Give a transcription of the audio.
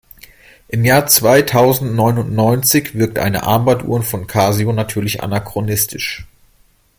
Im Jahr zweitausendneunundneunzig wirkt eine Armbanduhr von Casio natürlich anachronistisch.